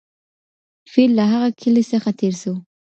فیل له هغه کلي څخه تېر سو.